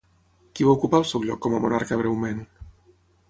Qui va ocupar el seu lloc com a monarca breument?